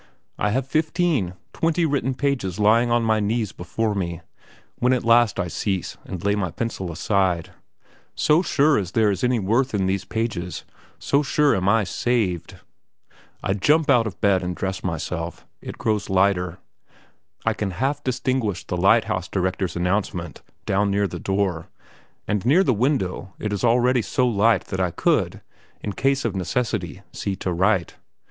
I have fifteen twenty written pages lying on my knees before me, when at last I cease and lay my pencil aside, So sure as there is any worth in these pages, so sure am I saved. I jump out of bed and dress myself. It grows lighter. I can half distinguish the lighthouse director's announcement down near the door, and near the window it is already so light that I could, in case of necessity, see to write.